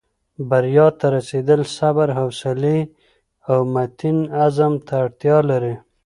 بریا ته رسېدل صبر، حوصلې او متین عزم ته اړتیا لري.